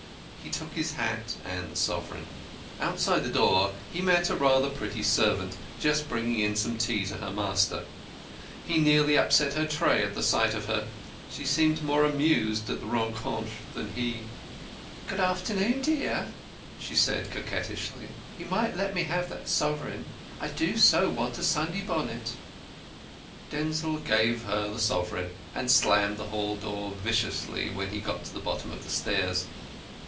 He took his hat and the sovereign. Outside the door he met a rather pretty servant just bringing in some tea to her master. He nearly upset her tray at sight of her. She seemed more amused at the rencontre than he. "Good afternoon, dear," she said coquettishly. "You might let me have that sovereign. I do so want a new Sunday bonnet." Denzil gave her the sovereign, and slammed the hall door viciously when he got to the bottom of the stairs.